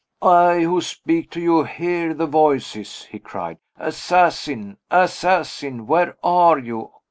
"I, who speak to you, hear the voices," he cried. "Assassin! assassin! where are you?